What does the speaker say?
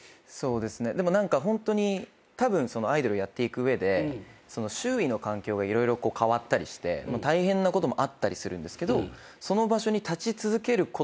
でも何かホントにたぶんアイドルやっていく上で周囲の環境が色々変わったりして大変なこともあったりするんですけど。